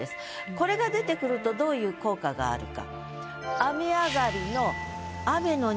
これが出てくるとどういう効果があるか。